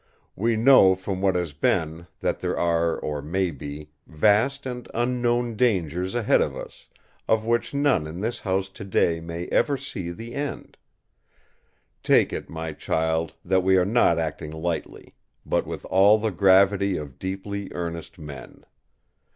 We know from what has been, that there are, or may be, vast and unknown dangers ahead of us, of which none in the house today may ever see the end. Take it, my child, that we are not acting lightly; but with all the gravity of deeply earnest men!